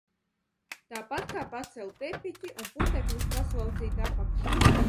Tāpat kā pacelt tepiķi un putekļus paslaucīt apakšā.